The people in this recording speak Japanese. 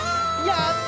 やった！